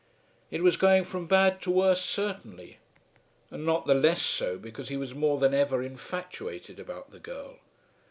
It was going from bad to worse certainly; and not the less so because he was more than ever infatuated about the girl.